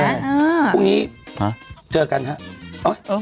พรุ่งนี้เจอกันครับ